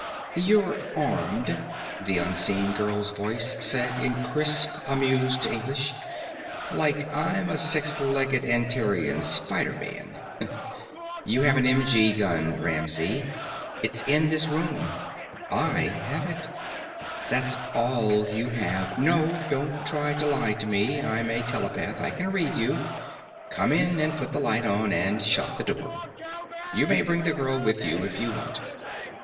"You're armed," the unseen girl's voice said in crisp, amused English, "like I'm a six legged Antarean spider man. You have an m.g. gun, Ramsey. It's in this room. I have it. That's all you have. No, don't try to lie to me. I'm a telepath. I can read you. Come in and put the light on and shut the door. You may bring the girl with you if you want.